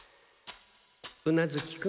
宇奈月君。